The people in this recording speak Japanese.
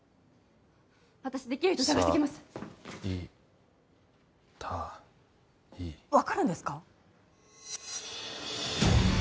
私できる人探してきますさいたい分かるんですか？